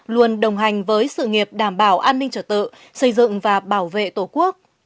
luôn đồng hành với sự nghiệp đảm bảo an ninh trở tự xây dựng và bảo vệ tổ quốc